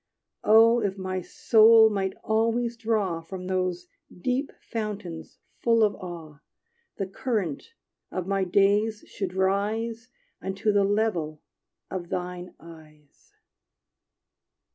Oh if my soul might always draw From those deep fountains full of awe, The current of my days should rise Unto the level of thine eyes!